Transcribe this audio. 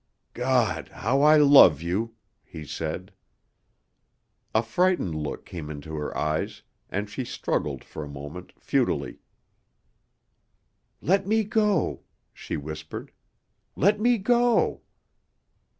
"God! how I love you!" he said. A frightened look came into her eyes, and she struggled, for a moment, futilely. "Let me go!" she whispered; "let me go!"